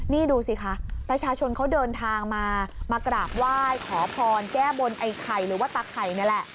นี่ดูสิคะประชาชนเขาเดินทางมามากราบไหว้ขอพรแก้บนไอ้ไข่หรือว่าตาไข่นี่แหละ